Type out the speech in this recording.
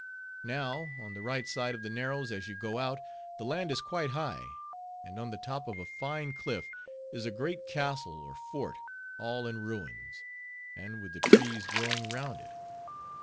Now, on the right hand side of the Narrows as you go out, the land is quite high; and on the top of a fine cliff is a great castle or fort, all in ruins, and with the trees growing round it.